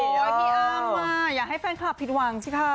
โอ้ยพี่อ้ำว่าอย่าให้แฟนคลับผิดหวังสิคะ